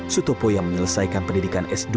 sutopo yang menyelesaikan pendidikan s dua